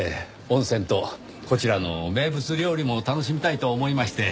温泉とこちらの名物料理も楽しみたいと思いまして。